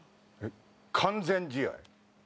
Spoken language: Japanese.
完全試合。